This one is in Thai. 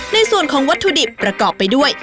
ในส่วนของวัตถุดิบประกอบไปด้วย